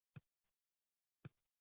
Kuydirib banogoh ketding, Toshpo‘lat